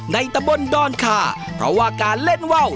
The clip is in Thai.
ตะบนดอนคาเพราะว่าการเล่นว่าว